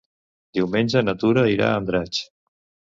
Diumenge na Tura irà a Andratx.